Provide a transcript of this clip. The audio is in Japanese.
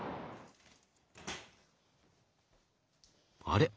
あれ？